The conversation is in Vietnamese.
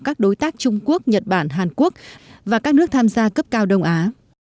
các đối tác trung quốc nhật bản hàn quốc và các nước tham gia cấp cao đông á